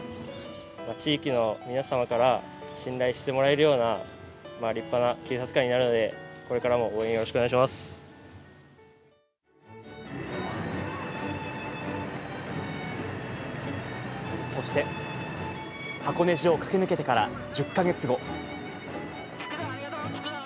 地域の皆様から、信頼してもらえるような、立派な警察官になるので、これからもよそして、箱根路を駆け抜けてから１０か月後。